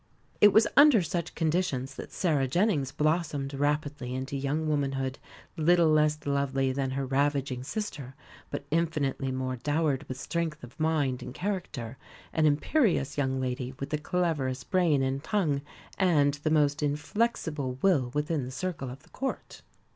It was under such conditions that Sarah Jennings blossomed rapidly into young womanhood little less lovely than her ravishing sister, but infinitely more dowered with strength of mind and character an imperious young lady, with the cleverest brain and tongue, and the most inflexible will within the circle of the Court.